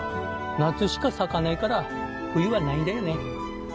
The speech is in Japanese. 夏しか咲かないから冬はないんだよね